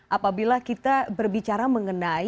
apabila kita berbicara mengenai